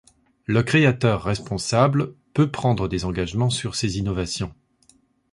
Le créateur responsable peut prendre des engagements sur ses innovations.